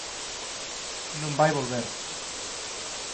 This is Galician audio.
Non vai volver.